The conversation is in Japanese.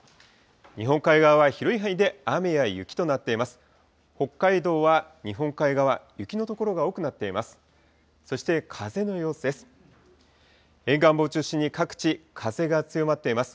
日本海側は広い範囲で雨や雪となっています。